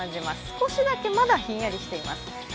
少しだけ、まだひんやりしています。